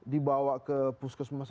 dibawa ke puskesmas